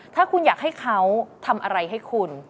ถ้าคุณอยากให้เขาทำอะไรให้คุณ